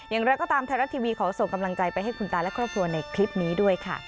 อย่างไรก็ตามไทยรัฐทีวีขอส่งกำลังใจไปให้คุณตาและครอบครัวในคลิปนี้ด้วยค่ะ